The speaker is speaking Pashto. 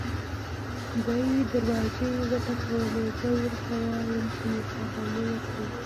دی دروازه وټکوي زه ورته ووایم چې مهرباني وکړئ.